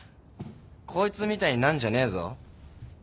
こいつみたいになんじゃねえぞ。